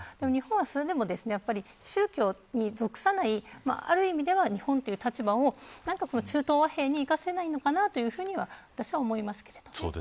それでも宗教に属さない日本という立場を中東和平に生かせないかと私は思います。